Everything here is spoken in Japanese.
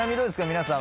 皆さん。